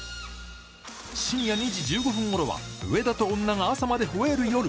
深夜２時１５分ごろは、上田と女が朝まで吠える夜！